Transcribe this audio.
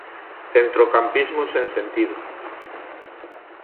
Centrocampismo sen sentido.